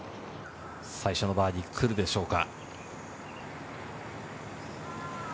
最初のバーディー、くるでしょうか？